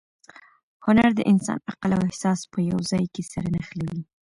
هنر د انسان عقل او احساس په یو ځای کې سره نښلوي.